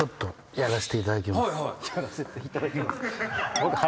やらせていただきます。